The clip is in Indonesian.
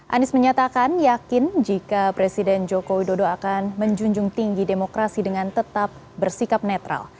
anies menyatakan yakin jika presiden joko widodo akan menjunjung tinggi demokrasi dengan tetap bersikap netral